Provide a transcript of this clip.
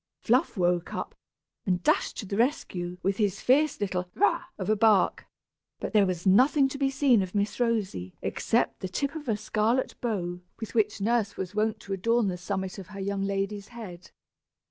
Fluff woke up, and dashed to the rescue, with his fierce little "Rah!" of a bark; but there was nothing to be seen of Miss Rosy except the tip of a scarlet bow, with which Nurse was wont to adorn the summit of her young lady's head.